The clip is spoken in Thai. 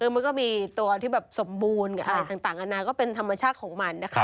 มันก็มีตัวที่สมบูรณ์กับอะไรต่างอันนั้นก็เป็นธรรมชาติของมัน